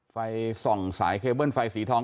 ไฟส่องสายเคเบิ้ลไฟสีทอง